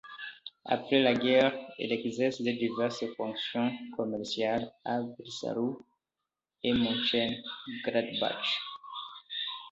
Après la guerre, il exerce diverses fonctions commerciales à Breslau et München Gladbach.